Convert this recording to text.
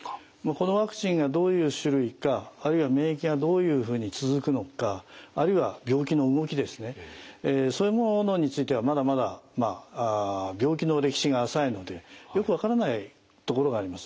このワクチンがどういう種類かあるいは免疫がどういうふうに続くのかあるいは病気の動きですねそういうものについてはまだまだ病気の歴史が浅いのでよく分からないところがあります。